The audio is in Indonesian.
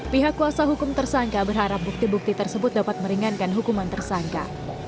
pihak kuasa hukum tersangka berharap bukti bukti tersebut dapat meringankan hukuman tersangka